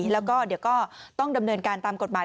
แล้วก็เดี๋ยวก็ต้องดำเนินการตามกฎหมาย